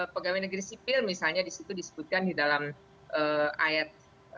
pegawai negeri sipil misalnya di situ disebutkan di dalam ayat satu